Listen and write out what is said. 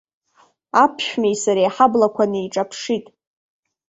Аԥшәмеи сареи ҳаблақәа неиҿаԥшит.